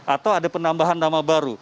atau ada penambahan nama baru